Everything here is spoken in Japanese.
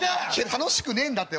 楽しくねえんだって